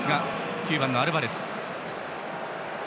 ９番、アルバレス。